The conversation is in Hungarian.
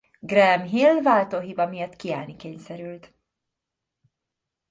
Graham Hill váltóhiba miatt kiállni kényszerült.